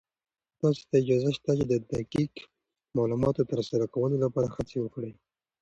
تاسې ته اجازه شته چې د دقيق معلوماتو تر سره کولو لپاره هڅې وکړئ.